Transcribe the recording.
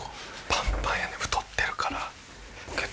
パンパンやねん太ってるから。